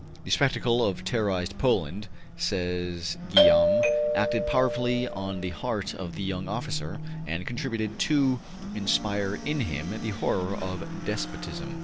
``The spectacle of terrorized Poland,'' says Guillaume, ``acted powerfully on the heart of the young officer, and contributed to inspire in him the horror of despotism.''